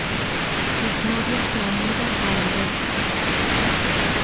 Sus novias se han ido a Europa.